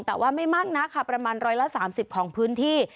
แต่ว่าไม่มากนะคะประมาณร้อยละ๓๐ของพื้นที่